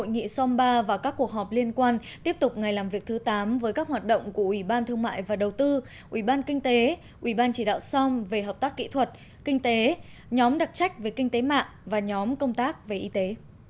hội nghị somba và các cuộc họp liên quan tiếp tục ngày làm việc thứ tám với các hoạt động của ủy ban thương mại và đầu tư ủy ban kinh tế ủy ban chỉ đạo song về hợp tác kỹ thuật kinh tế nhóm đặc trách về kinh tế mạng và nhóm công tác về y tế